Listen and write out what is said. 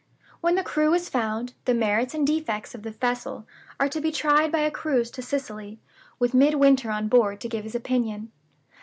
When the crew is found, the merits and defects of the vessel are to be tried by a cruise to Sicily, with Midwinter on board to give his opinion.